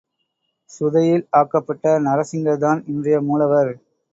சுதையில் ஆக்கப்பட்ட நரசிங்கர்தான் இன்றைய மூலவர்.